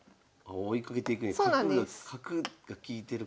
追いかけていくんや。